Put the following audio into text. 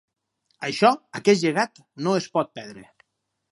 Això, aquest llegat, no es pot perdre.